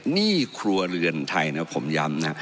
หนี้ครัวเรือนไทยนะผมย้ำนะ